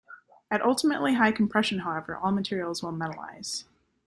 At ultimately high compression, however, all materials will metallize.